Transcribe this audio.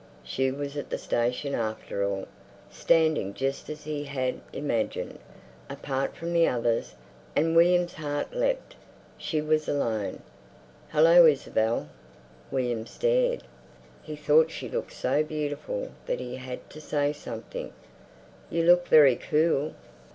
She was at the station after all, standing just as he had imagined, apart from the others, and—William's heart leapt—she was alone. "Hallo, Isabel!" William stared. He thought she looked so beautiful that he had to say something, "You look very cool."